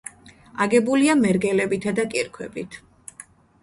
აგებულია მერგელებითა და კირქვებით.